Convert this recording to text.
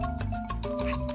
はい。